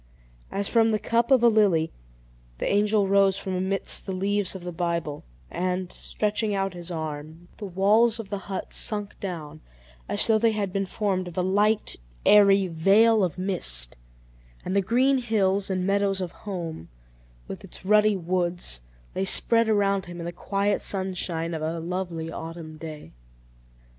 As from the cup of a lily, the angel rose from amidst the leaves of the Bible; and, stretching out his arm, the walls of the hut sunk down, as though they had been formed of a light, airy veil of mist, and the green hills and meadows of home, with its ruddy woods, lay spread around him in the quiet sunshine of a lovely autumn day.